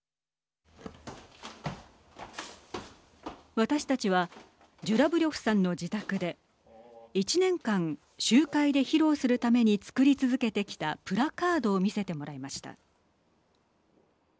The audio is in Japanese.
私たちはジュラブリョフさんの自宅で１年間、集会で披露するために作り続けてきたプラカードを見せてもらいました。